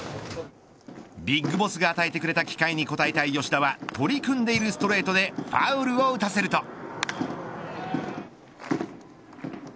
ＢＩＧＢＯＳＳが与えてくれた機会に応えたい吉田は取り組んでいるストレートでファウルを打たせると。